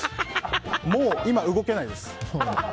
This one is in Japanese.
もう今、動けないです。